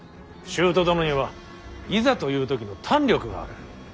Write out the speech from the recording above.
舅殿にはいざという時の胆力がある。